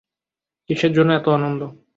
কিসের জন্য এত আনন্দ?